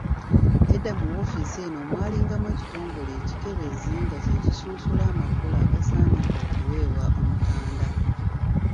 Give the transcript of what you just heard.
Edda woofiisi eno mwalingamu ekitongole ekikebezi nga kye kisunsula amakula agasaanidde okuweebwa Omutanda.